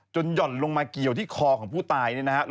หย่อนลงมาเกี่ยวที่คอของผู้ตายเนี่ยนะครับ